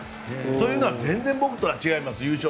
というのは全然僕とは違います。